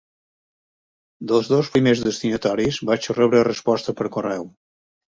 Dels dos primers destinataris vaig rebre resposta per correu.